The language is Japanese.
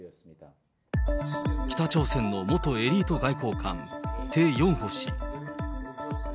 北朝鮮の元エリート外交官、テ・ヨンホ氏。